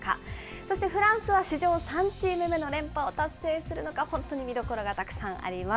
そしてフランスは史上３チーム目の連覇を達成するのか、本当に見どころがたくさんあります。